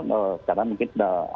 sekarang mungkin sudah